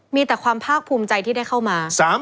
มีแต่ความภาคภูมิใจที่ได้เข้ามา